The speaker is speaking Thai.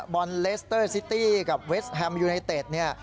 บอลเลสเตอร์ซิตี้กับเวสแฮมยูไนเต็ดเนี่ย